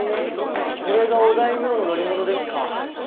これがお大名の乗り物ですか。